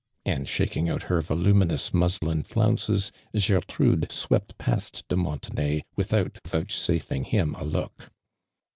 and shaking out her voluminous muslin flounces, (Jertrude swept past de Montenay without vouchsafing him a look.